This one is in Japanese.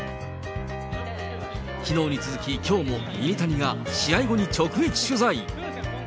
きのうに続き、きょうもミニタニが試合後に直撃取材。